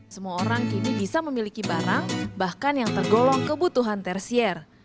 semua orang kini bisa memiliki barang bahkan yang tergolong kebutuhan tersier